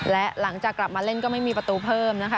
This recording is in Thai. และหลังจากกลับมาเล่นก็ไม่มีประตูเพิ่มนะคะ